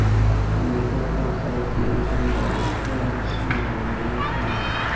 د مېلو پر مهال خلک د یو بل د عادتو او رسمو درناوی کوي.